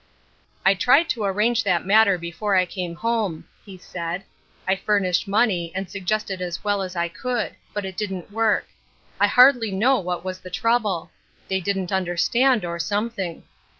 " I tried to arrange that matter before I came home," he said. " I furnished mone)^ and sug gested as well as I could ; but it didn't work. I hardly know what was the trouble. They didn't understand, or something.